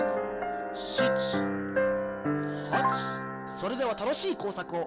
それではたのしいこうさくを！